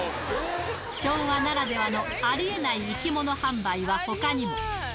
昭和ならではのありえない生き物販売はほかにも。